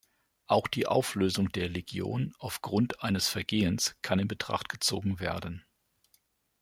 Auch die Auflösung der Legion aufgrund eines Vergehens kann in Betracht gezogen werden.